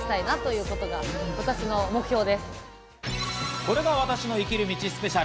これが私の生きる道スペシャル。